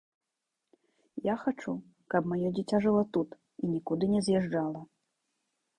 Я хачу, каб маё дзіця жыла тут і нікуды не з'язджала.